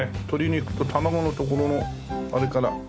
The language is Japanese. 鶏肉と卵のところのあれから。